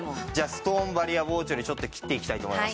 ストーンバリア包丁でちょっと切っていきたいと思います。